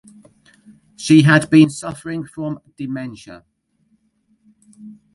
She had been suffering from dementia.